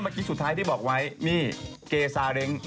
แล้วก็ที่บอกว่าไว้นี่เกย์สาเล้ง